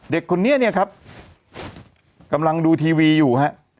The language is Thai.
เด็กคนนี้เนี่ยครับกำลังดูทีวีอยู่ฮะ